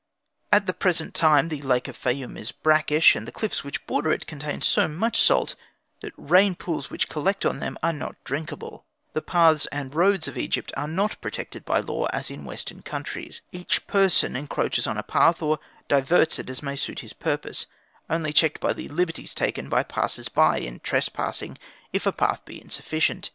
At the present time the lake of the Fayum is brackish, and the cliffs which border it contain so much salt that rain pools which collect on them are not drinkable. The paths and roads of Egypt are not protected by law as in Western countries. Each person encroaches on a path or diverts it as may suit his purpose, only checked by the liberties taken by passers by in trespassing if a path be insufficient.